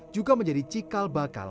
juga menjadi cikal bakal